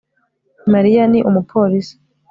Mariya ni umupolisi